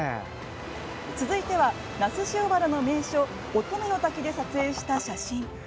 続いては那須塩原の名所乙女の滝で撮影した写真。